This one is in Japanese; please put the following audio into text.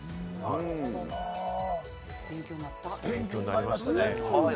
勉強になりましたね。